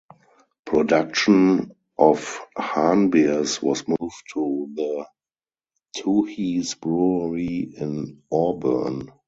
Production of Hahn beers was moved to the Tooheys brewery in Auburn.